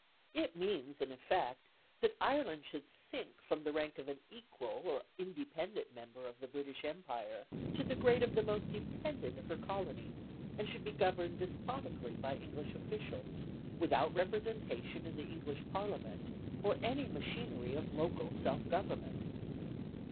It means in effect, that Ireland should sink from the rank of an equal or independent member of the British Empire to the grade of the most dependent of her colonies, and should be governed despotically by English officials, without representation in the English Parliament or any machinery of local self government.